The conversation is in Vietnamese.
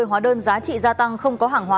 hóa đơn giá trị gia tăng không có hàng hóa